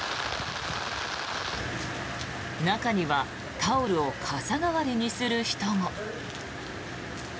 中にはタオルを傘代わりにする人も。